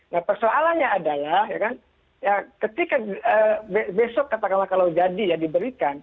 nah persoalannya adalah ya kan ketika besok katakanlah kalau jadi ya diberikan